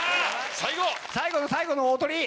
最後の最後の大トリ。